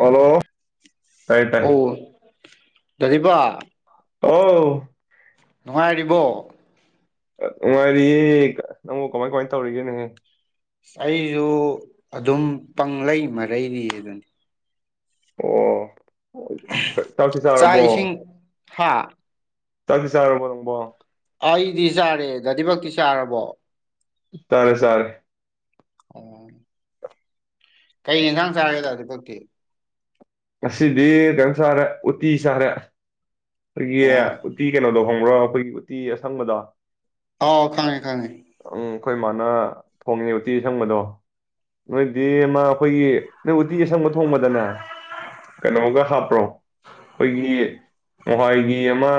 Hello ꯀꯩꯇꯦ ꯋꯥꯕꯥ ꯑꯥꯎ ꯅꯨꯡꯉꯥꯏꯔꯤꯕꯣ ꯅꯨꯡꯉꯥꯏꯔꯤꯌꯦ ꯅꯪꯉꯣ ꯀꯃꯥꯏ ꯀꯃꯥꯏ ꯇꯧꯔꯤꯒꯦ ꯅꯍꯦ ꯁ ꯑꯩꯁꯨ ꯑꯗꯨꯝ ꯄꯪ ꯂꯩꯩ ꯃꯔꯩꯗꯤ ꯑꯗꯨꯅꯤ ꯑꯣ ꯇꯁꯤ ꯆꯥꯔꯕꯣ ꯍꯥꯥ ꯇ ꯆꯥꯔꯔꯕꯣꯔꯪꯕꯣ ꯑꯩꯗꯤ ꯆꯥꯔꯦ ꯗꯗꯤꯃꯛꯇꯤ ꯆꯥꯔꯕꯣ ꯇꯥꯔꯦ ꯁꯔꯦ ꯑꯣ ꯀꯩ ꯏꯟꯁꯥꯡ ꯆꯥꯒ ꯇꯗꯤ ꯀꯛꯇꯤ ꯉꯁꯤꯗꯤ ꯀꯩꯅꯝ ꯁꯥꯔꯦ ꯎꯇꯤ ꯁꯥꯔꯦ ꯑꯣ ꯇꯤ ꯀꯩꯅꯣꯗꯣ ꯈꯣꯡꯕ꯭ꯔꯥ ꯑꯩꯈꯣꯏꯒꯤ ꯎꯇꯤ ꯑꯁꯪꯕꯗ ꯑꯥꯎ ꯈꯪꯉꯦ ꯈꯪꯉꯦ ꯑꯩꯈꯣꯏ ꯃꯥꯅ ꯊꯣꯡꯉꯦ ꯎꯇꯤ ꯑꯁꯪꯕꯗꯣ ꯅꯣꯏꯗꯤ ꯃꯥ ꯑꯩꯈꯣꯏꯒꯤ ꯅꯣꯏ ꯎꯇꯤ ꯑꯁꯪꯕ ꯊꯣꯡꯕꯗꯅꯦ ꯀꯩꯅꯣꯒ ꯍꯥꯞꯄ꯭ꯔꯣ ꯑꯩꯈꯣꯏꯒꯤ ꯃꯍꯏꯒꯤ ꯑꯃ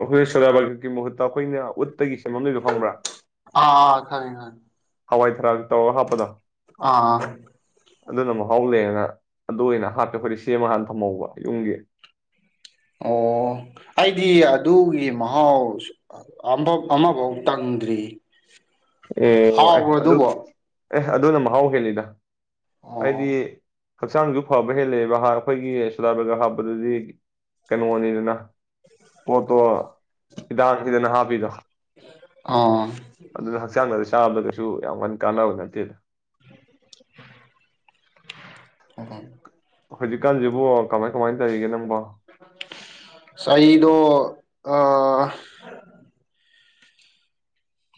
ꯑꯩꯈꯣꯏ ꯁꯗꯥꯕꯀꯤ ꯃꯍꯨꯠꯇ ꯑꯩꯈꯣꯏꯅ ꯎ ꯑꯥ ꯑꯥ ꯈꯪꯔ ꯈꯪ ꯍꯋꯥꯏꯗꯙꯔꯥꯛ ꯑꯥ ꯑꯗꯨꯅ ꯃꯍꯥꯎ ꯂꯩꯦꯡꯉꯒ ꯑꯗꯨ ꯑꯣꯏꯅ ꯍꯥꯞꯇꯦ ꯑꯩꯈꯣꯏꯗꯤ ꯁꯦꯝꯃ ꯍꯥꯟ ꯊꯝꯍꯧꯕ ꯌꯨꯡꯒꯤ ꯑꯣ ꯑꯩꯗꯤ ꯑꯗꯨꯒꯤ ꯃꯍꯥꯎ ꯑꯃꯐꯥꯎ ꯇꯪꯗ꯭ꯔꯤ ꯑꯣ ꯍꯥꯎꯕ꯭ꯔꯣ ꯑꯗꯨ ꯑꯗꯨꯕꯣ ꯑꯦ ꯑꯗꯨꯅ ꯃꯍꯥꯎ ꯍꯦꯜꯂꯤꯗ ꯍꯥꯏꯗꯤ ꯑꯣ ꯍꯛꯆꯥꯡꯁꯨ ꯐꯕ ꯍꯦꯜꯂꯛꯑꯦꯕ ꯑꯩꯈꯣꯏꯒꯤ ꯁꯣꯂꯥꯏ ꯕꯔꯒꯔ ꯍꯥꯞꯄꯗꯗꯤ ꯀꯩꯅꯣꯅꯤꯗꯅ ꯄꯣꯠꯇꯣ ꯍꯤꯗꯥꯡꯁꯤꯈꯤꯗꯅ ꯍꯥꯞꯄꯤꯗꯣ ꯑꯥ ꯍꯛꯥꯡꯗ ꯆꯥꯕꯗ ꯀꯩꯁꯨ ꯌꯥꯝ ꯀꯟꯅ ꯀꯥꯟꯅꯕ ꯅꯠꯇꯦꯗ ꯍꯧꯖꯤꯛꯀꯥꯟꯁꯤꯕꯨ ꯀꯃꯥꯏ ꯀꯃꯥꯏꯅ ꯇꯧꯔꯤꯒꯦ ꯅꯪꯕꯣ ꯑ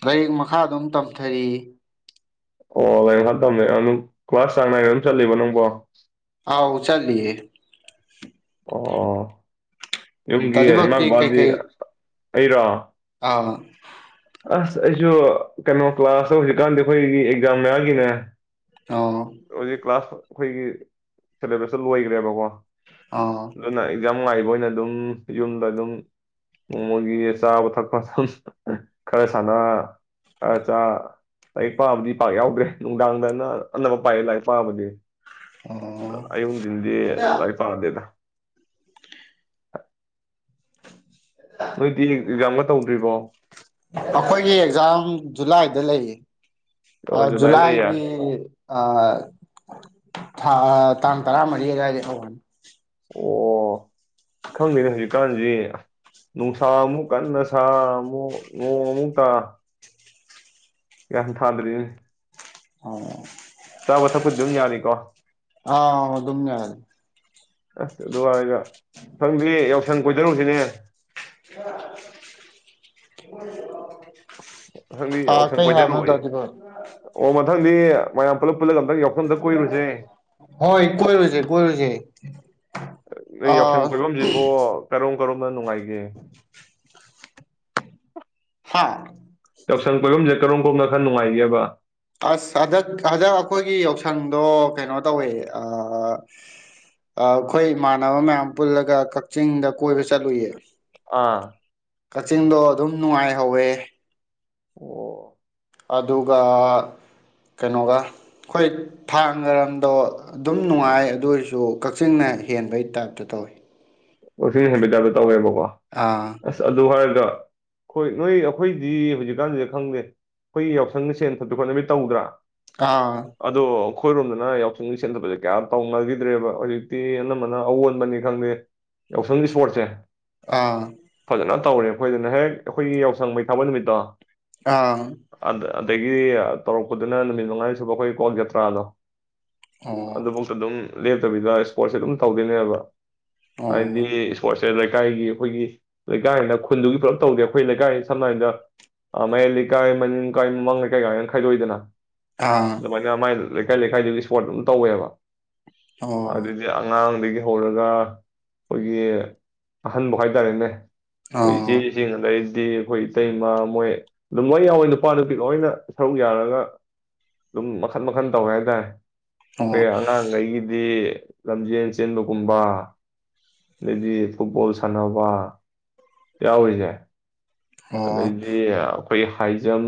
ꯂꯥꯏꯔꯤꯛ ꯃꯈꯥ ꯑꯗꯨꯝ ꯇꯝꯊꯔꯤ ꯑꯣ ꯂꯥꯏ ꯃꯈ ꯇꯝꯅꯦ ꯀ꯭ꯂꯥꯁ ꯆꯥꯡ ꯅꯥꯏꯅ ꯑꯗꯨꯝ ꯆꯠꯂꯤꯕ ꯅꯪꯕꯣ ꯑꯥꯎꯧ ꯆꯂꯤꯌꯦ ꯑ ꯑ ꯌꯨꯝꯒꯤ ꯇꯗꯤꯕꯛꯇꯤ ꯍꯃꯒꯕꯥꯖꯤ ꯀꯩꯀꯩ ꯑꯩꯔꯣ ꯑꯥ ꯑꯁ ꯑꯩꯁꯨ ꯀꯩꯅꯣ ꯀ꯭ꯂꯥꯁꯇ ꯍꯧꯖꯤꯛꯀꯥꯟꯗꯤ ꯑꯩꯈꯣꯏꯒꯤ ꯑꯦꯛꯖꯥꯝ ꯃꯌꯥꯝꯒꯤꯅꯦ ꯑꯣ ꯔꯖꯤ ꯀ꯭ꯂꯥꯁ ꯑꯩꯈꯣꯏꯒꯤ ꯁꯦꯂꯦꯕꯁꯇ ꯂꯣꯏꯈ꯭ꯔꯦꯕꯀꯣ ꯑꯣ ꯅ ꯉꯥꯏꯕ ꯑꯣꯏꯅ ꯑꯗꯨꯝ ꯌꯨꯝꯗ ꯑꯗꯨꯝ ꯅꯣꯡꯃꯣꯏꯒꯤ ꯆꯥꯕ ꯊꯛꯄ ꯑꯗꯨ ꯈꯔ ꯁꯥꯟꯅ ꯈꯔ ꯂꯥꯏꯔꯤꯛ ꯄꯥꯕꯨꯗꯤ ꯄꯥꯛ ꯌꯥꯎꯗ꯭ꯔꯦ ꯅꯨꯡꯗꯥꯡꯗꯅ ꯑꯅꯝꯕ ꯄꯥꯏ ꯂꯥꯏꯐꯕ ꯑꯣ ꯑꯩꯍꯟꯤꯟꯗꯤ ꯂꯏ ꯄꯥꯔꯗꯦꯗ ꯑ ꯅꯣꯏꯗꯤ ꯇꯧꯗ꯭ꯔꯤꯕꯣ ꯑꯩꯈꯣꯏꯒꯤ ꯑꯦꯛꯖꯥꯝ ꯖꯨꯂꯥꯏꯗ ꯂꯩꯌꯦ ꯑ ꯑꯣ ꯖꯨꯂꯥꯏ ꯂꯩꯌꯦ ꯖꯨꯂꯥꯏꯒꯤ ꯑ ꯊꯥ ꯇꯥꯡ ꯇꯔꯥ ꯃꯔꯤ ꯀꯥꯏꯗ ꯍꯅꯤ ꯑꯣ ꯈꯪꯗꯦꯅꯦ ꯍꯧꯖꯤꯛꯀꯥꯟ ꯅꯨꯡꯁꯥ ꯑꯃꯨꯛ ꯀꯟꯅ ꯁꯥ ꯑꯃꯨꯛ ꯅꯣꯡ ꯑꯃꯨꯛꯛꯇꯥ ꯀꯌꯥꯝ ꯊꯥꯗꯔꯤꯅꯦ ꯑꯣ ꯆꯥꯕ ꯊꯛꯄꯗꯤ ꯑꯗꯨꯝ ꯌꯥꯅꯤꯀꯣ ꯑꯥ ꯑꯗꯨꯝꯅ ꯑꯁ ꯑꯗꯨꯗꯨꯋꯥꯔꯒ ꯁꯪꯗꯦ ꯌꯥꯎꯁꯪ ꯀꯣꯏꯖꯔꯨꯁꯤꯅꯦ ꯍ ꯊꯪꯗꯤ ꯌꯥꯎ ꯁꯪ ꯀꯣꯏꯊꯔꯨꯌꯦꯦ ꯗꯥꯗꯤꯕꯛ ꯑꯣ ꯃꯊꯪꯗꯤ ꯃꯌꯥꯝ ꯄꯨꯂꯞ ꯄꯨꯜꯂꯒ ꯑꯝꯇꯪ ꯌꯥꯎꯁꯪ ꯑꯝꯇ ꯀꯣꯏꯔꯨꯁꯦ ꯍꯣꯏ ꯀꯣꯏꯨꯁ ꯀꯣꯏꯔꯁ ꯑ ꯅꯨꯡꯉ ꯒꯦ ꯎ ꯍꯥꯥ ꯌꯥꯎꯁꯪ ꯄꯣꯏꯐꯝꯁꯦ ꯀꯔꯝ ꯀꯣꯅ ꯈꯔ ꯅꯨꯡꯉꯥꯏꯒꯦꯕ ꯑꯁ ꯍꯟꯗꯛ ꯍꯟꯗꯛ ꯑꯩꯈꯣꯏꯒꯤ ꯌꯥꯎꯁꯪꯗꯣ ꯀꯩꯅꯣ ꯇꯧꯋꯦ ꯑꯩꯈꯣꯏ ꯏꯃꯥꯟꯅꯕ ꯃꯌꯥꯝ ꯄꯨꯜꯂꯒ ꯀꯛꯆꯤꯡꯗ ꯀꯣꯏꯕ ꯆꯠꯂꯨꯌꯦ ꯑꯥ ꯀꯛꯆꯤꯡꯗꯣ ꯑꯗꯨꯝ ꯅꯨꯡꯉꯥꯏꯍꯧꯋꯦ꯫ ꯑꯣ꯫ ꯑꯗꯨꯒ ꯀꯩꯅꯣꯒ ꯈꯣꯏ ꯊꯥꯡꯒ ꯔꯣꯝꯗꯣ ꯑꯗꯨꯝ ꯅꯨꯡꯉꯥꯏ ꯑꯗꯨ ꯑꯣꯏꯔꯁꯨ ꯀꯛꯆꯤꯡꯅ ꯍꯦꯟꯕꯩ ꯇꯥꯏꯞꯇ ꯇꯧꯋꯤ꯫ ꯀꯛꯆꯤꯡ ꯍꯦꯟꯕꯩ ꯇꯥꯏꯄꯇꯥ ꯇꯧꯋꯦꯕꯣ꯫ ꯀ ꯑꯥ ꯑꯁ ꯑꯗꯨ ꯍꯥꯏꯔꯒ ꯍꯣꯏ ꯅꯣꯏ ꯑꯩꯈꯣꯏꯗꯤ ꯍꯧꯖꯤꯛꯀꯥꯟꯁꯤꯗ ꯈꯪꯗꯦ ꯑꯩꯈꯣꯏ ꯌꯥꯎꯁꯪ ꯁꯦꯟ ꯊꯁꯨ ꯈꯣꯠꯅꯕꯤ ꯇꯧꯗ꯭ꯔꯥ ꯑꯥ ꯑꯗꯣ ꯑꯩꯈꯣꯏꯔꯣꯝꯗꯅ ꯌꯥꯎꯁꯪ ꯁꯦꯟꯗꯕꯁꯦ ꯀꯌꯥ ꯇꯧ ꯅꯈꯤꯗ꯭ꯔꯦꯕ ꯍꯧꯖꯤꯛꯇꯤ ꯑꯅꯝꯕꯅ ꯑꯑꯣꯟꯕꯅꯤ ꯈꯪꯗꯦ ꯌꯥꯎꯁꯪꯒꯤ ꯁꯄꯣꯔꯠꯁꯦ ꯑꯥ꯫ ꯐꯖꯅ ꯇꯧꯔꯦ ꯑꯩꯈꯣꯏꯗꯅ ꯍꯦꯛ ꯑꯩꯈꯣꯏꯒꯤ ꯌꯥꯎꯁꯪ ꯃꯩ ꯊꯥꯕ ꯅꯨꯃꯤꯠꯇꯣ ꯑꯥ꯫ ꯑꯗ ꯑꯗꯒꯤ ꯇꯧꯔꯛꯄꯗꯨꯅ ꯅꯨꯃꯤꯠ ꯃꯉꯥꯅꯤ ꯁꯨꯕ ꯑꯩꯈꯣꯏ ꯀꯋ꯭ꯥꯛ ꯖꯇ꯭ꯔꯥꯗꯣ ꯑꯣ ꯑꯗꯨꯕꯥꯛ ꯇꯥ ꯑꯗꯨꯝ ꯂꯦꯞꯇꯕꯤꯗ ꯏꯁꯄꯣꯔꯠꯁꯦ ꯑꯗꯨꯝ ꯇꯧꯗꯣꯏꯅꯦꯕ꯫ ꯑꯣ ꯍꯥꯏꯗꯤ ꯏꯁꯄꯣꯔꯠ ꯁꯦ ꯂꯩꯀꯥꯏꯒꯤ ꯑꯩꯈꯣꯏꯒꯤ ꯂꯩꯀꯥꯏꯅ ꯈꯨꯟꯗꯨꯒꯤ ꯄꯨꯂꯞ ꯇꯧꯗꯦ ꯑꯩꯈꯣꯏ ꯂꯩꯀꯥꯏ ꯁꯝꯅ ꯍꯥꯏꯗ ꯃꯌꯥꯏ ꯂꯩꯀꯥꯏ ꯃꯅꯤꯡꯀꯥꯏ ꯃꯃꯥꯡ ꯂꯩꯀꯥꯏ ꯀꯥꯏꯅ ꯈꯥꯏꯗꯣꯛꯏꯗꯅ ꯑꯥ ꯑꯗꯨꯃꯥꯏꯅꯥ ꯃꯥꯏ ꯂꯩꯀꯥꯏ- ꯂꯩꯀꯥꯏꯗꯨꯒꯤ ꯏꯁꯄꯣꯔꯠ ꯑꯗꯨꯝ ꯇꯧꯋꯦꯕ ꯑꯣ ꯑꯣ ꯑꯗꯤ ꯑꯉꯥꯡ ꯍꯧꯔꯒ ꯑꯩꯈꯣꯏꯒꯤ ꯑꯍꯟꯕ ꯍꯥꯏꯇꯥꯔꯦꯅꯦ [unintelligible] ꯗꯤ ꯑꯩꯈꯣꯏ ꯏꯇꯩꯃꯥ ꯃꯣꯏ ꯑꯗꯨꯝ ꯂꯣꯏ ꯌꯥꯎꯋꯦ ꯅꯨꯄꯥ- ꯅꯨꯄꯤ ꯂꯣꯏꯅ ꯁꯔꯨꯛ ꯌꯥꯔꯒ ꯑꯗꯨꯝ ꯃꯈꯟ- ꯃꯈꯟ ꯇꯧꯋꯦ ꯍꯥꯏꯇꯥꯔꯦ꯫ ꯑꯣ ꯑꯩꯈꯣꯏ ꯑꯉꯥꯡꯈꯩꯒꯤꯗꯤ ꯂꯝꯖꯦꯟ ꯆꯦꯟꯕꯒꯨꯝꯕ ꯑꯗꯩꯗꯤ ꯐꯨꯠꯕꯣꯜ ꯁꯥꯟꯅꯕ ꯌꯥꯎꯔꯤꯁꯦ ꯑꯣ ꯑꯗꯩꯗꯤ ꯑꯩꯈꯣꯏꯒꯤ ꯍꯥꯏ ꯖꯝ,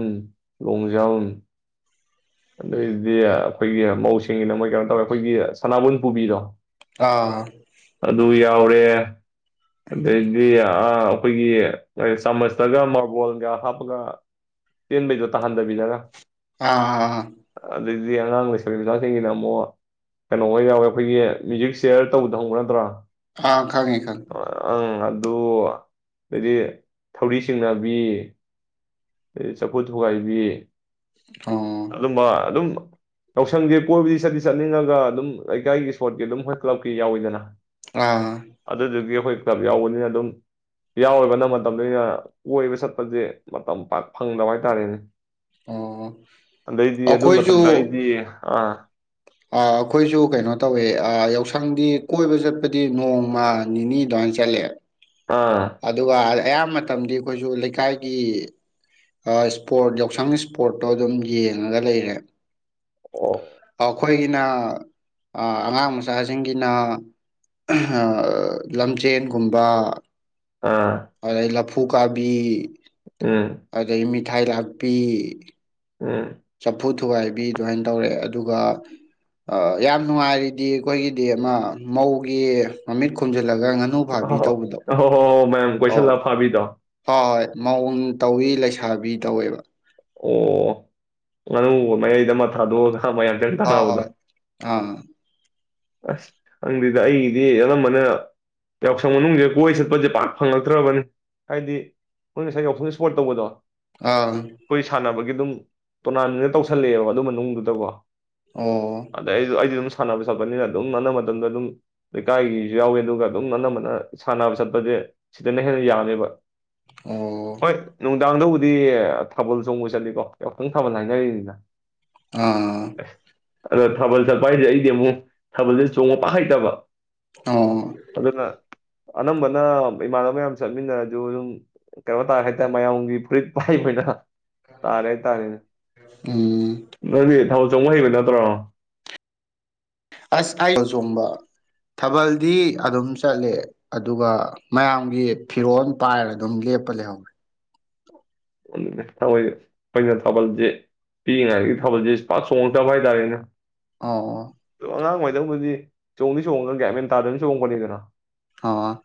ꯂꯣꯡ ꯖꯝ ꯑꯗꯨꯏꯗꯤ ꯑꯩꯈꯣꯏꯒꯤ ꯃꯧꯁꯤꯡꯒꯤꯅ ꯃꯣꯏ ꯀꯩꯅꯣ ꯇꯧꯋꯦ ꯑꯩꯈꯣꯏꯒꯤ ꯁꯅꯥꯕꯨꯟ ꯄꯨꯕꯤꯗꯣ ꯑꯥ꯫ ꯑꯗꯨ ꯌꯥꯎꯔꯦ ꯑꯗꯒꯤ ꯑꯩꯈꯣꯏꯒꯤ ꯆꯥꯃꯁꯇꯒ ꯃꯥꯔꯕꯣꯜꯒ ꯍꯥꯞꯄꯒ ꯆꯦꯟꯕꯩꯗꯣ ꯇꯥꯍꯟꯗꯕꯤꯗ ꯒ ꯑꯥ꯫ ꯑꯗꯒꯤꯗꯤ ꯑꯉꯥꯡ ꯂꯩꯁꯕꯤ ꯃꯁꯆꯥꯁꯤꯡꯒꯤꯅ ꯑꯃꯨꯛ ꯀꯩꯅꯣ ꯑꯣꯏ ꯌꯥꯎꯋꯦ ꯑꯩꯈꯣꯏꯒꯤ ꯃ꯭ꯌꯨꯖꯤꯛ ꯁꯤꯌꯔ ꯇꯧꯗ ꯈꯥꯪ ꯕꯔꯥ? [unintelligible] ꯑꯥ ꯈꯪꯉꯤ- ꯈꯉꯤ꯫ ꯑꯗꯣ ꯍꯥꯏꯗꯤ ꯊꯧꯔꯤ ꯆꯤꯡꯅꯕꯤ ꯑꯦ ꯆꯐꯨ ꯊꯨꯒꯥꯏꯕꯤ ꯑꯣ ꯑꯗꯨꯝꯕ ꯑꯗꯨꯝ ꯌꯥꯧꯁꯪꯒꯤꯦ ꯀꯣꯏꯕꯨꯗꯤ ꯆꯠꯇꯗꯤ ꯆꯠꯅꯤꯡꯉꯒ ꯑꯗꯨꯝ ꯂꯩꯀꯥꯏꯒꯤ ꯏꯁꯄꯣꯔꯠꯀꯤ ꯑꯗꯨꯝ ꯍꯣꯏ ꯀ꯭ꯂꯕꯀꯤ ꯌꯥꯎꯋꯤꯗꯅ ꯑꯥ ꯑꯗꯨꯗꯨꯒꯤ ꯑꯩꯈꯣꯏ ꯀ꯭ꯂꯕ ꯌꯥꯎꯕꯅꯤꯅ ꯑꯗꯨꯝ ꯌꯥꯎꯔꯤꯕꯅ ꯃꯇꯝꯅ ꯀꯣꯏꯕ ꯆꯠꯄꯁꯦ ꯃꯇꯝ ꯄ ꯐꯪꯗꯕ ꯍꯥꯏꯇꯥꯔꯦꯅꯦ ꯑꯣ ꯑꯗꯩꯗꯤ ꯑꯗꯨ ꯃꯊꯇ ꯑꯩꯈꯣꯏꯁꯨ ꯑꯩꯗꯤ ꯑꯥ ꯑꯩꯈꯣꯏꯁꯨ ꯀꯩꯅꯣ ꯇꯧꯋꯦ ꯌꯥꯎꯁꯪꯗꯤ ꯀꯣꯏꯕ ꯆꯠ ꯍꯥꯏꯕꯗꯤ ꯅꯣꯡꯃꯜ ꯅꯤꯅꯤ ꯗ ꯆꯦꯠ ꯑꯥ ꯑꯗꯨꯒ ꯑꯌꯥꯝꯕ ꯃꯇꯝꯗꯤ ꯑꯩꯈꯣꯏꯁꯨ ꯂꯩꯀꯥꯏꯒꯤ ꯏꯁꯄꯣꯔꯠ ꯌꯥꯎꯁꯪ ꯏꯁꯄꯣꯔꯠꯇꯣ ꯑꯗꯨꯝ ꯌꯦꯡꯉꯒ ꯂꯩꯔꯦ ꯑꯣ ꯑꯩꯈꯣꯏꯒꯤꯅ ꯑꯉꯥꯡ ꯃꯆꯥꯁꯤꯡꯒꯤꯅ ꯂꯝꯖꯦꯟꯒꯨꯝꯕ ꯑꯥ ꯑ ꯑꯂ ꯐꯨꯀꯥꯕꯤ ꯎꯝ ꯑꯒꯩꯃꯤ ꯏꯊꯥꯏ ꯂꯥꯛꯄꯤ ꯎ ꯆꯐꯨ ꯊꯨꯒꯥꯏꯕꯤ ꯑꯗꯨꯃꯥꯏꯅ ꯇꯧꯔꯦ ꯑꯗꯨꯒ ꯌꯥꯝ ꯅꯨꯡꯉꯥꯏꯔꯤꯗꯤ ꯑꯩꯈꯣꯏꯒꯤꯗꯤ ꯑꯃ ꯃꯧꯒꯤ ꯃꯃꯤꯠ ꯈꯨꯝꯖꯤ ꯈꯜꯂꯒ ꯉꯥꯅꯨ ꯐꯥꯕꯤ ꯑꯍꯣ ꯇꯧꯕꯗꯣ ꯑꯍꯣ ꯍꯣ ꯍꯣ ꯃꯌꯥꯝ ꯑꯣ ꯀꯣꯏꯁꯜꯂꯒ ꯐꯥꯕꯤꯗꯣ ꯍꯣꯏ ꯍꯣꯏ ꯃꯑꯣꯡ ꯇꯧꯋꯤ ꯂꯩꯁꯥꯕꯤ ꯇꯧꯋꯦꯕ ꯑꯣ ꯉꯥꯅꯨ ꯃꯌꯥꯏꯗ ꯑꯃ ꯊꯥꯗꯣꯀꯥꯒꯥ ꯍ ꯃꯌꯥꯝ ꯆꯎ꫰ꯒ ꯍꯣꯏ ꯇꯅꯗ ꯍꯣꯏ ꯑꯥ ꯑꯁ ꯍꯪꯗꯦꯗ ꯑꯩꯒꯤꯗꯤ ꯑꯅꯝꯕꯅ ꯌꯥꯎꯁꯪ ꯃꯅꯨꯡꯁꯤꯗ ꯀꯣꯏ ꯆꯠꯄꯁꯦ ꯄꯥꯛ ꯐꯪꯂꯛꯇ꯭ꯔꯕꯅꯤ ꯍꯥꯏꯗꯤ ꯅꯣꯏ ꯉꯁꯥꯏ ꯌꯥꯎꯁꯪꯒꯤ ꯏꯁꯄꯣꯔꯠ ꯇꯧꯕꯗꯣ ꯑꯥ ꯑꯩꯈꯣꯏ ꯁꯥꯟꯅꯕꯒꯤ ꯑꯗꯨꯝ ꯇꯣꯔꯅꯥꯃꯦꯟꯗ ꯇꯧꯁꯜꯂꯛꯑꯦꯕ ꯑꯗꯨ ꯃꯅꯨꯡꯗꯨꯗꯀꯣ ꯑꯣ ꯑꯗꯤ ꯁꯅꯕ ꯅꯤꯅ ꯑꯗꯨꯝ ꯅꯅꯝꯕ ꯃꯇꯝꯗ ꯑꯗꯨꯝ ꯂꯩꯀꯥꯏꯒꯤꯁꯨ ꯌꯥꯎꯋꯦ ꯑꯗꯨꯒ ꯑꯗꯨꯝ ꯑꯅꯝꯕꯅ ꯁꯥꯟꯅꯕ ꯆꯠꯄꯁꯦ ꯁꯤꯗꯅ ꯍꯦꯟꯅ ꯌꯥꯝꯃꯦꯕ ꯑꯣ ꯍꯣꯏꯣꯠ ꯅꯨꯡꯗꯥꯡꯗꯕꯨꯗꯤ ꯊꯥꯕꯜ ꯆꯣꯡꯕ ꯆꯠꯂꯤꯀꯣ ꯌꯥꯨꯛꯇꯪ ꯊꯥꯕꯜ ꯍꯥꯏꯅꯔꯤꯅꯤꯅ ꯑꯥ ꯑꯗ ꯊꯕꯜ ꯆꯇꯄꯥ ꯍꯥꯏꯁꯦ ꯑꯩꯗꯤ ꯑꯃꯨꯛ ꯊꯥꯕꯜꯁꯦ ꯆꯣꯡꯉꯄ ꯍꯩꯇꯕ ꯑꯣ ꯑꯗꯨꯗꯅ ꯑꯅꯝꯕꯅ ꯏꯃꯥꯟꯅꯕ ꯃꯌꯥꯝ ꯆꯠꯃꯤꯟꯅꯔꯁꯨ ꯑꯗꯨꯝ ꯀꯩꯅꯥ ꯇꯥꯏ ꯍꯥꯏꯇꯥꯔꯦ ꯃꯌꯥꯝꯒꯤ ꯐꯨꯔꯤꯠ ꯄꯥꯏꯕꯅ ꯇꯥꯔꯦ ꯇꯥꯔꯦ ꯎꯝ ꯅꯪꯗꯤ ꯊꯥꯕꯜ ꯆꯣꯡꯕ ꯍꯩꯕ ꯅꯠꯇ꯭ꯔꯣ ꯑꯁ ꯑꯩ ꯑ ꯆꯣꯡ ꯊꯥꯕꯜꯗꯤ ꯑꯗꯨꯝ ꯆꯠꯂꯦ ꯑꯗꯨꯒ ꯃꯌꯥꯝꯒꯤ ꯐꯤꯔꯣꯜ ꯄꯥꯏꯔ ꯑꯗꯨꯝ ꯂꯦꯞꯄ ꯂꯩꯍꯧꯔꯦ ꯈꯪꯗꯦꯗ ꯇꯧꯔꯤꯁꯤ ꯑꯩꯈꯣꯏꯅ ꯊꯥꯕꯜꯁꯤ ꯄꯤꯛꯏꯉꯥꯏꯒꯤ ꯊꯥꯕꯜꯁꯦ ꯄꯥꯛ ꯆꯣꯡꯉꯛꯇꯕ ꯍꯥꯏꯇꯥꯔꯦꯅꯦ ꯑꯑꯣ ꯗꯤ ꯆꯣꯡꯗꯤ ꯆꯣꯡꯉꯒ ꯒ꯭ꯌꯥꯟ ꯃꯦꯟ ꯇꯥꯗꯕꯤꯗ ꯆꯣꯡꯉꯛꯄꯅꯤꯗꯅ ꯑꯥꯎ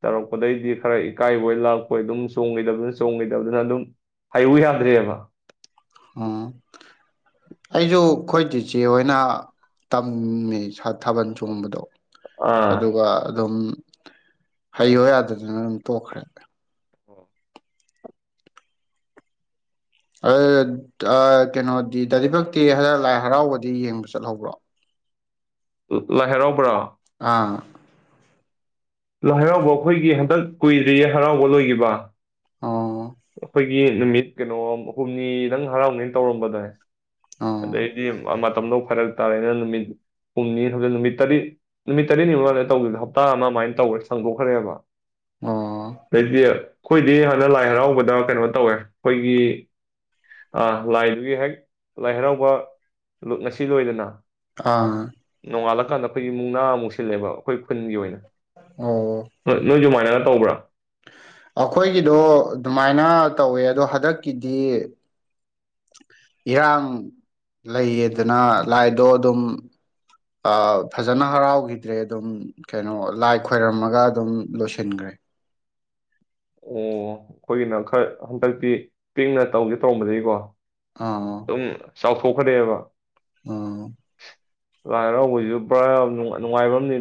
ꯇꯧꯔꯛꯄꯗꯩꯗꯤ ꯈꯔ ꯏꯀꯥꯏꯕꯣꯏ ꯂꯥꯛꯄꯣꯏ ꯑꯗꯨꯝ ꯆꯣꯡꯒꯤꯗꯕꯗꯨꯅ ꯆꯣꯡꯒꯤꯗꯕꯗꯨꯅ ꯇꯧꯗꯅ ꯑꯗꯨꯝ ꯍꯩꯌꯨ ꯌꯥꯗ꯭ꯔꯦꯕ ꯎꯝ ꯑꯩꯁꯨ ꯑꯩꯈꯣꯏ ꯆꯤꯆꯦ ꯍꯣꯏꯅ ꯇꯝꯃꯦ ꯊꯥꯕꯜ ꯆꯣꯡꯕꯗꯣ ꯑꯥ ꯑꯗꯨꯒ ꯑꯗꯨꯝ ꯍꯩꯌꯣ ꯌꯥꯗꯗꯅ ꯑꯗꯨꯝ ꯇꯣꯛꯈ꯭ꯔꯦ ꯑꯣ ꯑꯗꯨ ꯀꯩꯅꯣꯗꯤ ꯗꯥ ꯗꯤꯄꯛꯇꯤ ꯍꯟꯗꯛ ꯂꯥꯏ ꯍꯔꯥꯎꯕꯗꯤ ꯌꯦꯡꯕ ꯆꯠꯍꯧꯕ꯭ꯔꯣ ꯂꯥꯏ ꯍꯔꯥꯎꯕꯔꯣ ꯑꯥ ꯂꯥꯏ ꯍꯔꯥꯎꯕ ꯑꯩꯈꯣꯏꯒꯤ ꯍꯟꯗꯛ ꯀꯨꯏꯗ꯭ꯔꯤꯌꯦ ꯍꯔꯥꯎꯕ ꯂꯣꯏꯒꯤꯕ ꯑꯣ ꯅꯨꯃꯤꯠ ꯀꯩꯅꯣ ꯍꯨꯝꯅꯤꯗꯪ ꯍꯔꯥꯎꯅꯤ ꯇꯧꯔꯝꯕꯗꯅꯦ ꯑꯣ ꯑꯗꯩꯗꯤ ꯃꯇꯝꯗꯣ ꯐꯔꯛ ꯍꯥꯏꯇꯥꯔꯦ ꯅꯨꯃꯤꯠ ꯍꯨꯝꯅꯤ ꯍꯧꯖꯤꯛ ꯅꯨꯃꯤꯠ ꯇꯔꯦꯠ ꯅꯨꯃꯤꯠ ꯇꯔꯦꯠꯅꯤ ꯃꯥꯡꯗ ꯇꯧꯈꯤꯕꯗ ꯍꯞꯇꯥ ꯑꯃ ꯑꯗꯨꯃꯥꯏꯅ ꯇꯧꯈꯦ ꯁꯥꯡꯗꯣꯛꯈ꯭ꯔꯦꯕ ꯑꯣ ꯑꯗꯩꯗꯤ ꯑꯩꯈꯣꯏꯗꯤ ꯍꯟꯗꯛ ꯂꯥꯏ ꯍꯔꯥꯎ ꯗ ꯀꯩꯅꯣ ꯇꯧꯋꯦ ꯑꯩꯈꯣꯏꯒꯤ ꯂꯥꯏꯗꯨꯒꯤ ꯍꯦꯛ ꯂꯥꯏ ꯍꯔꯥꯎꯕ ꯉꯁꯤ ꯂꯣꯏꯗꯅ ꯑꯥ ꯅꯣꯡꯉꯥꯜꯂꯀꯥꯟꯗ ꯑꯩꯈꯣꯏ ꯃꯨꯛꯅꯥ ꯑꯃꯨꯛ ꯁꯤꯜꯂꯦꯕ ꯑꯩꯈꯣꯏ ꯈꯨꯟꯒꯤ ꯑꯣꯏꯅ ꯑꯣ ꯅꯣꯏꯁꯨ ꯑꯗꯨꯃꯥꯏꯅ ꯇꯧꯕ꯭ꯔꯥ ꯑꯩꯈꯣꯏꯒꯤꯗꯣ ꯑꯗꯨꯃꯥꯏꯅ ꯇꯧꯋꯦ ꯑꯗꯣ ꯍꯟꯗꯛꯀꯤꯗꯤ ꯏꯔꯥꯡ ꯂꯩꯌꯦꯗꯅ ꯂꯥꯏꯗꯣ ꯑꯗꯨꯝ ꯐꯖꯅ ꯍꯔꯥꯎꯈꯤꯗ꯭ꯔꯦ ꯑꯗꯨꯝ ꯀꯩꯅꯣ ꯂꯥꯏ ꯈꯣꯏꯔꯝꯃꯒ ꯑꯗꯨꯝ ꯂꯣꯏꯁꯤꯟꯒ꯭ꯔꯦ ꯑꯣ ꯑꯩꯈꯣꯏꯒꯤꯅ ꯈꯔ ꯍꯟꯗꯛꯇꯤ ꯄꯤꯛꯅ ꯇꯧꯒꯦ ꯇꯧꯔꯝꯕꯗꯒꯤꯀꯣ ꯑꯥ ꯑꯗꯨꯝ ꯆꯥꯎꯊꯣꯛꯈ꯭ꯔꯦꯕ ꯎꯝ ꯂꯥꯏ ꯍꯔꯥꯎꯕꯒꯤꯁꯨ ꯄꯨꯔꯥ ꯅꯨꯡꯉꯥꯏꯕꯝꯅꯤ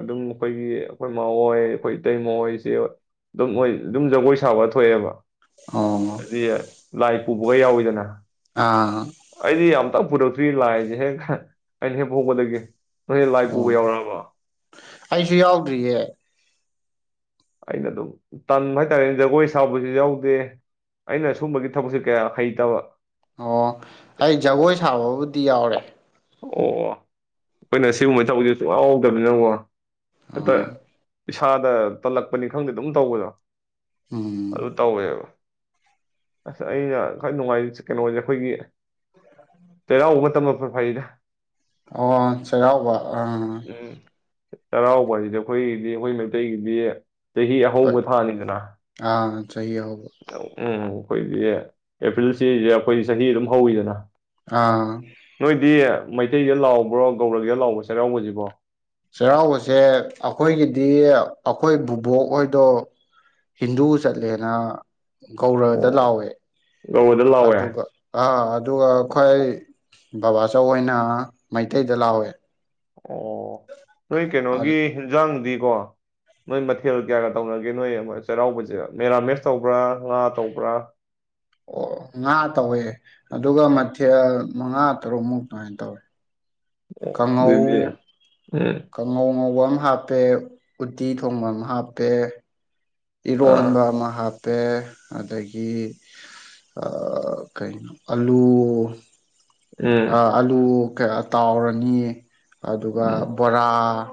ꯑꯗꯨꯝ ꯑꯩꯈꯣꯏꯒꯤ ꯑꯩꯈꯣꯏ ꯃꯥ ꯍꯣꯏ ꯑꯩꯈꯣꯏ ꯏꯇꯩ ꯃ ꯍꯣꯏꯁꯦ ꯑꯗꯨꯝ ꯑꯗꯨꯝ ꯖꯒꯣꯏ ꯁꯥꯕ ꯊꯣꯛꯑꯦꯕ ꯑꯣ ꯀ ꯂꯥꯏꯠ ꯄꯨꯕꯒ ꯌꯥꯎꯋꯤꯗꯅ ꯑꯥ ꯑꯩꯗꯤ ꯇꯞ ꯄꯨꯔꯛꯇ꯭ꯔꯤ ꯂꯥꯏꯁꯦ ꯍꯦꯛ ꯑꯩꯅ ꯍꯦꯛ ꯍꯣꯡꯒꯗꯒꯦ ꯑꯣ ꯑꯩꯁꯨ ꯌꯥꯎꯗ꯭ꯔꯤꯌꯦ ꯑꯩꯅ ꯑꯗꯨꯝ ꯇꯟꯕ ꯍꯥꯏꯇꯥꯔꯦꯅꯦ ꯖꯒꯣꯏ ꯁꯥꯕꯁꯨ ꯌꯥꯎꯗꯦ ꯑꯩꯅ ꯁꯨꯝꯕꯒꯤ ꯊꯕꯛꯁꯦ ꯀꯌꯥ ꯍꯩꯇꯕ ꯑꯣ ꯑꯩ ꯖꯒꯣꯏ ꯁꯥꯕꯕꯨ ꯇꯤ ꯌꯥꯎꯔꯦ ꯑꯣ ꯑꯣ ꯑꯩꯈꯣꯏꯅ ꯁꯤꯒꯨꯝꯕ ꯇꯧꯕꯗꯤ ꯁꯨꯡ ꯌꯥꯎꯗꯕꯅꯤ ꯅꯪꯉꯣ ꯍꯠꯇꯣꯏ ꯑꯣ ꯏꯁꯥꯗ ꯇꯜꯂꯛꯄꯅꯤ ꯈꯪꯗꯦ ꯑꯗꯨꯝ ꯇꯧꯕꯗꯣ ꯎꯝ ꯑꯗꯨ ꯇꯧꯋꯦꯕ ꯑꯁ ꯑꯩꯅ ꯈ꯭ꯋꯥꯏ ꯅꯨꯡꯉꯥꯏꯖ ꯀꯩꯅꯣꯁꯦ ꯑꯩꯈꯣꯏꯒꯤ ꯆꯩꯔꯥꯎꯕ ꯃꯇꯝꯗ ꯐꯩꯗ ꯑꯣ ꯆꯔꯥꯎꯕ ꯑꯥ ꯆꯩꯔꯥꯎꯕꯁꯤꯗꯤ ꯑꯩꯈꯣꯏꯒꯤꯗꯤ ꯑꯩꯈꯣꯏ ꯃꯩꯇꯩꯒꯤꯗꯤ ꯆꯍꯤ ꯍꯣꯏ ꯑꯍꯧꯕ ꯊꯥꯅꯤꯗꯅ ꯑꯥ ꯆꯍꯤ ꯍꯧꯕ ꯎꯝ ꯑꯩꯈꯣꯏꯒꯤ ꯑꯦꯄ꯭ꯔꯤꯜꯁꯤꯁꯦ ꯑꯩꯈꯣꯏꯗꯤ ꯆꯍꯤ ꯑꯗꯨꯝ ꯍꯧꯋꯤꯗꯅ ꯑꯥ ꯃꯩꯇꯩꯒ ꯂꯥꯎꯕ꯭ꯔꯣ ꯒꯧꯔꯒ ꯂꯥꯎꯕ꯭ꯔ ꯆꯩꯔꯥꯎꯕꯁꯤꯕꯣ ꯆꯩꯔꯥꯎꯕꯁꯦ ꯑꯩꯈꯣꯏꯒꯤ ꯗꯤ ꯑꯩꯈꯣꯏ ꯚꯨꯕꯣꯛ ꯍꯣꯏꯗꯣ ꯍꯤꯟꯗꯨ ꯆꯠꯂꯦꯅ ꯒꯧꯔꯗ ꯑꯣ ꯂꯥꯎꯋꯦ ꯒꯧꯔꯗ ꯂꯥꯎꯋꯦ ꯑꯗꯨꯒ ꯑ ꯑꯗꯨꯒ ꯈ꯭ꯋꯥꯏ ꯕꯕꯥꯆꯧ ꯍꫭꯏꯅ ꯃꯩꯇꯩꯗ ꯂꯥꯛꯋꯦ ꯑꯣ ꯅꯣꯏ ꯀꯩꯅꯣꯒꯤ ꯌꯦꯟꯖꯥꯡꯗꯤ ꯀꯣ ꯅꯣꯏ ꯃꯊꯦꯜ ꯀꯌꯥꯒ ꯇꯧꯅꯒꯦ ꯅꯣꯏ ꯆꯩꯔꯥꯎꯕꯁꯦ ꯃꯦꯔꯥꯃꯦꯁ ꯇꯧꯕ꯭ꯔꯥ ꯉꯥ ꯇꯧꯕ꯭ꯔꯥ ꯑꯣ ꯉꯥ ꯇꯧꯋꯦ ꯑꯗꯨꯒ ꯃꯊꯦꯜ ꯃꯉꯥ ꯇꯔꯨꯛꯃꯨꯛ ꯑꯗꯨꯃꯥꯏꯅ ꯇꯧꯋꯦ ꯑꯗꯨꯗꯤ ꯎꯝ ꯀꯉꯧꯅ ꯍꯥꯞꯄꯦ ꯎꯇꯤ ꯊꯣꯡꯕ ꯑꯃ ꯍꯥꯞꯄꯦ ꯏꯔꯣꯟꯕ ꯑꯥ ꯑꯃ ꯍꯥꯞꯄꯦ ꯄꯦ ꯑꯗꯒꯤ ꯀꯩꯅꯣ ꯑꯂꯨ ꯎꯝ ꯑ ꯑꯂꯨ ꯇꯥꯎꯔꯅꯤ ꯑꯗꯨꯒ ꯎꯝ ꯕꯣꯔꯥ ꯎ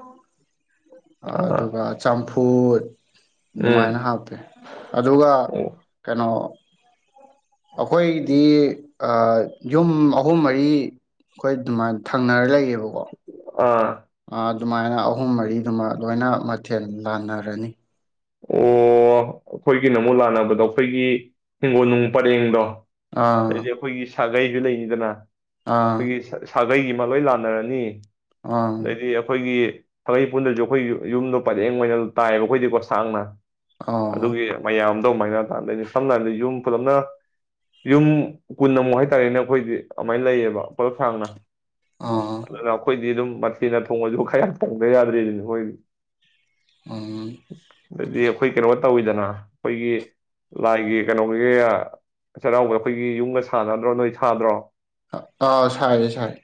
ꯑꯥ ꯑꯗꯨꯒ ꯆꯝꯐꯨ ꯎꯝ ꯑꯗꯨꯃꯥꯏꯅ ꯍꯥꯞꯄꯦ ꯑꯗꯨꯒ ꯑꯣ ꯀꯩꯅꯣ ꯑꯩꯈꯣꯏꯗꯤ ꯑ ꯌꯨꯝ ꯑꯍꯨꯝ ꯃꯔꯤ ꯑꯩꯈꯣꯏ ꯑꯗꯨꯃꯥꯏꯅ ꯊꯪꯅꯔ ꯂꯩꯌꯦꯕꯀꯣ ꯑꯥ ꯑ, ꯑꯗꯨꯃꯥꯏꯅ ꯑꯍꯨꯝ ꯃꯔꯤꯗꯨꯃ ꯂꯣꯏꯅ ꯃꯊꯦꯜ ꯂꯥꯟꯅꯔꯅꯤ ꯑꯣ ꯑꯩꯈꯣꯏꯒꯤꯅ ꯑꯃꯨꯛ ꯂꯥꯟꯅꯕꯗꯣ ꯑꯩꯈꯣꯏꯒꯤ ꯍꯤꯡꯒꯣꯜ ꯅꯨꯡ ꯄꯔꯦꯡꯗꯣ ꯑꯥ ꯍꯥꯏꯗꯤ ꯑꯩꯈꯣꯏꯒꯤ ꯁꯥꯒꯩꯁꯨ ꯂꯩꯅꯤꯗꯅ ꯑꯥ ꯑꯩꯈꯣꯏꯒꯤ ꯁꯥꯒꯩꯒꯤꯃ ꯂꯣꯏ ꯂꯥꯟꯅꯔꯅꯤ ꯑꯥ ꯑꯗꯩꯗꯤ ꯑꯩꯈꯣꯏꯒꯤ ꯊꯔꯩ ꯄꯨꯟꯗ꯭ꯔꯁꯨ ꯑꯩꯈꯣꯏ ꯌꯨꯝꯗꯣ ꯄꯔꯦꯡ ꯑꯣꯏꯅ ꯇꯥꯏꯌꯦꯕ ꯑꯩꯈꯣꯏꯗꯤꯀꯣ ꯁꯥꯡꯅ ꯑꯣ ꯑꯗꯨꯒꯤ ꯃꯌꯥꯝ ꯑꯗꯨꯃꯥꯏꯅꯗꯅꯦ ꯁꯝꯅ ꯍꯥꯏꯔꯕꯗ ꯌꯨꯝ ꯄꯨꯂꯞꯅ ꯌꯨꯝ ꯀꯨꯟ ꯑꯃꯨꯛ ꯍꯥꯏꯇꯥꯔꯦꯅꯦ ꯑꯩꯈꯣꯏꯗꯤ ꯑꯗꯨꯃꯥꯏꯅ ꯂꯩꯌꯦꯕ ꯄ ꯈꯥꯡꯅ ꯑꯣ ꯑꯈꯣꯏ ꯑꯗꯨꯝ ꯃꯊꯦꯅ ꯊꯣꯡꯉꯁꯨ ꯀꯌꯥ ꯊꯣꯡꯗ ꯌꯥꯗ꯭ꯔꯦ ꯑꯗꯨꯅ ꯃꯣꯏ ꯎꯝ ꯗꯤ ꯑꯩꯈꯣꯏ ꯀ ꯋꯥ ꯇꯧꯋꯤꯗꯅ ꯑꯩꯈꯣꯏꯒꯤ ꯂꯥꯏꯒꯤ ꯀꯩꯅꯣꯒꯤ ꯆꯩꯔꯥꯎꯕꯒ ꯑꯩꯈꯣꯏꯒꯤ ꯌꯨꯝꯒ ꯁꯥꯟꯅꯗ꯭ꯔꯣ ꯅꯣꯏ ꯁꯥꯗ꯭ꯔꯣ ꯑꯥ ꯁꯥꯏ ꯁꯥꯏ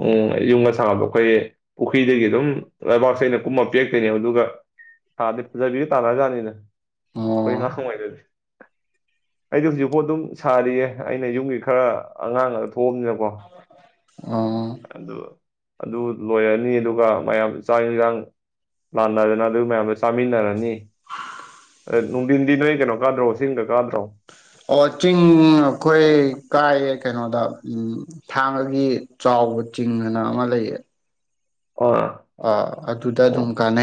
ꯎꯝ ꯌꯨꯝꯒ ꯁꯥꯕꯗꯣ ꯑꯩꯈꯣꯏ ꯄꯨꯈꯩꯗꯒ ꯑꯗꯨꯝ ꯂꯩꯕꯥꯛꯁꯦ ꯑꯩꯅ ꯀꯨꯝꯃ ꯄꯦꯛꯇꯣꯏꯅꯦ ꯑꯗꯨꯒ ꯊꯥꯗꯤ ꯐꯖꯕꯤꯒ ꯇꯥꯅꯖꯥꯠꯅꯤꯅ ꯑꯩꯣꯏ ꯂ ꯑꯣ ꯀꯃꯥꯏꯗꯗꯤ ꯑꯩꯗꯤ ꯍꯧꯖꯤꯛꯐꯥꯎ ꯑꯗꯨꯝ ꯁꯥꯔꯤꯌꯦ ꯑꯩꯅ ꯌꯨꯝꯒꯤ ꯈꯔ ꯑꯉꯥꯡ ꯑꯗꯨ ꯊꯣꯝꯉꯕꯣ ꯑꯣ ꯑꯗꯨꯒ ꯑꯗꯨ ꯂꯣꯏꯔꯅꯤ ꯑꯗꯨꯒ ꯃꯌꯥꯝ ꯆꯥꯡ ꯌꯦꯟꯁꯥꯡ ꯂꯥꯟꯅꯗꯅ ꯑꯗꯨ ꯃꯌꯥꯝꯗꯣ ꯆꯥꯃꯤꯟꯅꯔꯅꯤ ꯂꯅꯨꯡꯗꯤꯗꯤꯅ ꯀꯩꯅꯣꯀꯥꯗ꯭ꯔꯣꯁꯤꯡ ꯑꯣꯆꯤꯡꯤꯡ ꯑꯩꯈꯣꯏ ꯀꯥꯏꯌꯦ ꯀꯩꯅꯣꯗ ꯎꯝ ꯊꯥꯡꯒꯒꯤ ꯆꯥꯎꯕ ꯆꯤꯡ ꯑꯅ ꯑꯃ ꯂꯩꯌꯦ ꯑꯥ ꯑ ꯑꯗꯨꯗ ꯑꯣ ꯑꯗꯨꯝ ꯀꯥꯟꯅ